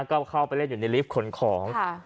ก็เข้าไปเล่นอยู่ในลิฟต์ขนของ